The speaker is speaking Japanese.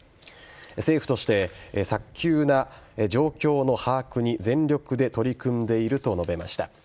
政府として、早急な状況の把握に全力で取り組んでいると述べました。